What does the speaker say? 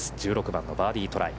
１６番のバーディートライ。